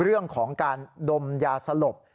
เรื่องของการดมยาสลบ